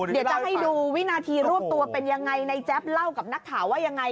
เดี๋ยวจะให้ดูวินาทีรวบตัวเป็นยังไงในแจ๊บเล่ากับนักข่าวว่ายังไง